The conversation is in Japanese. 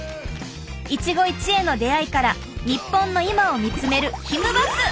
一期一会の出会いから日本の今を見つめるひむバス！